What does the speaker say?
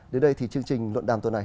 đến đây thì chương trình luận đàm tuần này